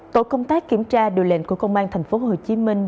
tổ công tác kiểm tra điều lệnh của công an thành phố hồ chí minh